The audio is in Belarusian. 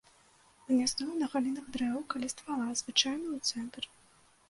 Гняздуе на галінах дрэў каля ствала, звычайна ў цэнтр.